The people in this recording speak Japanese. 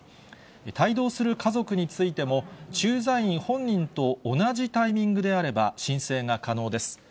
帯同する家族についても、駐在員本人と同じタイミングであれば、申請が可能です。